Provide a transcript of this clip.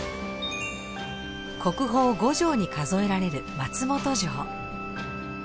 国宝５城に数えられる松本城。